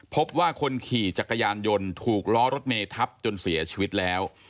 พบว่าคนขี่จักรยานยนต์ถูกล้อรถเมทับจนเสียชีวิตแล้ว